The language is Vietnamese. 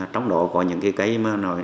trong đó có những cây mà nói